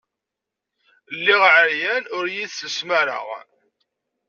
Lliɣ ɛeryan, ur yi-tesselsem ara.